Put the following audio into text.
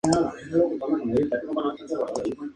Su capital era la ciudad de Brunswick.